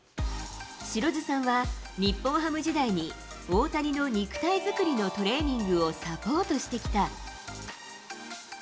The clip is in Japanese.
白水さんは、日本ハム時代に大谷の肉体作りのトレーニングをサポートしてきた。